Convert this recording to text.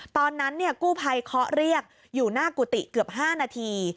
ตอนนั้นกู้ภัยเคาะเรียกอยู่หน้ากุฏิเกือบ๕นาที